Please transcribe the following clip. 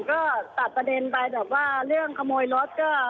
ก็ตัดประเด็นไปแบบว่าเรื่องขโมยรถก็